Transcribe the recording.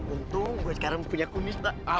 untung gue sekarang punya kunista